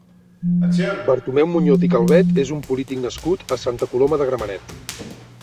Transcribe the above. Bartomeu Muñoz i Calvet és un polític nascut a Santa Coloma de Gramenet.